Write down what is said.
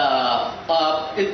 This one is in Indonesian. beban baru dong bagi pdi perjuangan